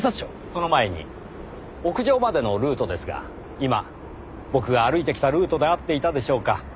その前に屋上までのルートですが今僕が歩いてきたルートで合っていたでしょうか？